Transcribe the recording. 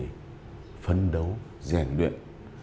giải đấu giản luyện